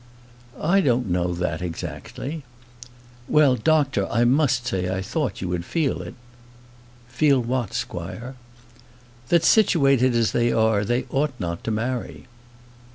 "I don't know that exactly." "Well, doctor, I must say I thought you would feel it." "Feel what, squire?" "That, situated as they are, they ought not to marry."